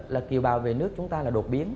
là kiều bào về nước chúng ta là đột biến